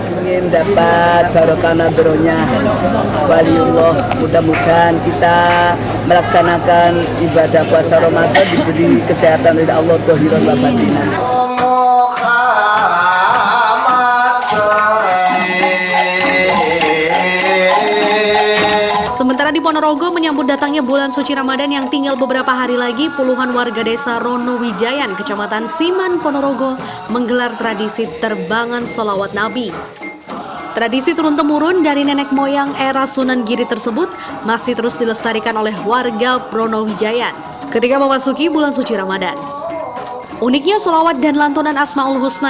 ingin dapat barokana beronya waliullah mudah mudahan kita melaksanakan ibadah puasa romantik diberi kesehatan dari allah